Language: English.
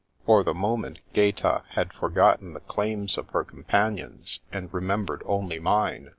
For the moment Gaeta had forgotten the claims of her companions, and remembered only mine.